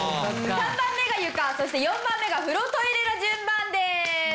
３番目が床そして４番目が風呂・トイレの順番です。